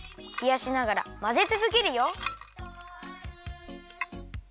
ひやしながらまぜつづけるよ。